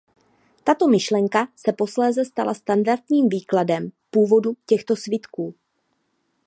Tato myšlenka se posléze stala standardním výkladem původu těchto svitků.